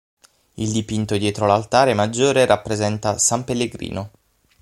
Il dipinto dietro l'altare maggiore rappresenta San Pellegrino.